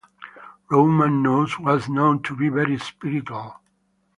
Roman Nose was known to be very spiritual.